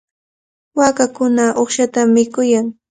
Waakakuna uqshatami mikuyan.